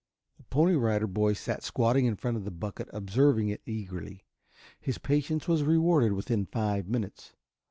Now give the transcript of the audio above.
The Pony Rider Boy sat squatting in front of the bucket observing it eagerly. His patience was rewarded within five minutes.